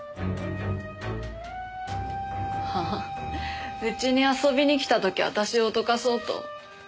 ああうちに遊びに来た時私を脅かそうと。